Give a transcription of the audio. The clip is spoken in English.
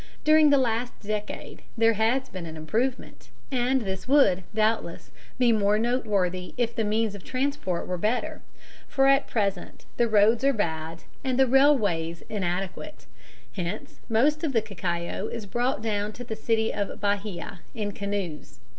During the last decade there has been an improvement, and this would, doubtless, be more noteworthy if the means of transport were better, for at present the roads are bad and the railways inadequate; hence most of the cacao is brought down to the city of Bahia in canoes.